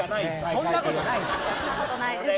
そんなことない。